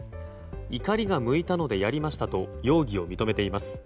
怒りが向いたのでやりましたと容疑を認めています。